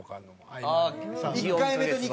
はい。